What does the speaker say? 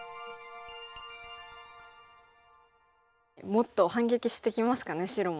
もっと反撃してきますかね白も。